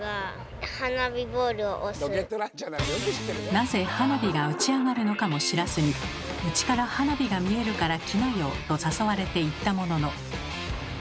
なぜ花火が打ち上がるのかも知らずに「うちから花火が見えるから来なよ」と誘われて行ったものの。